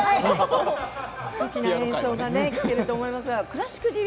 すてきな演奏が聴けると思いますが「クラシックＴＶ」